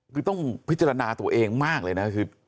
คือต้องพิจารณาตัวเองมากเลยนะคือ